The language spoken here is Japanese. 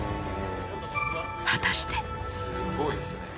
果たして。